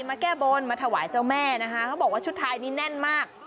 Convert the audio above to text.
มาแก้บนมาถวายเจ้าแม่นะคะเขาบอกว่าชุดไทยนี้แน่นมาก